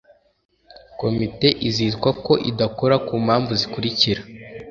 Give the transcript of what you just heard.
komite izitwa ko idakora ku mpamvu zikurikira